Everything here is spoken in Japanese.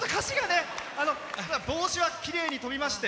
でも帽子はきれいに飛びまして。